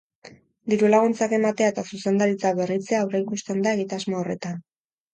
Diru-laguntzak ematea eta zuzendaritza berritzea aurreikusten da egitasmo horretan.